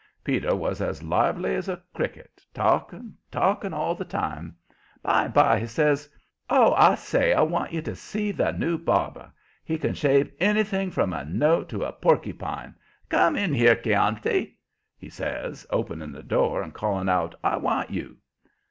Peter was as lively as a cricket, talking, talking, all the time. By and by he says: "Oh, say, I want you to see the new barber. He can shave anything from a note to a porkypine. Come in here, Chianti!" he says, opening the door and calling out. "I want you."